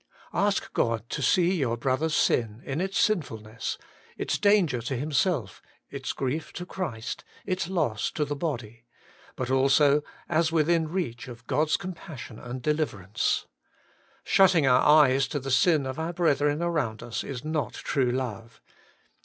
Ask God to see your brother's sin, in its sinfulness, its danger to himself, its grief to Christ, its loss to the body ; but also as Within reach of God's compassion and deliverance. Shutting our eyes to the sin of our brethren around us is not true love.